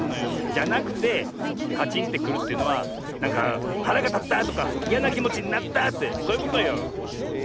じゃなくてカチンってくるというのはなんかはらがたったとかいやなきもちになったってそういうことよ。